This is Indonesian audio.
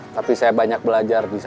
tapi saya banyak belajar disana